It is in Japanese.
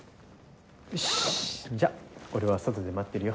よしじゃ俺は外で待ってるよ。